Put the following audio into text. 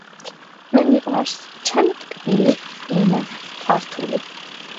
მე მიყვარს ჩემი ტკბილი ენა ქართული.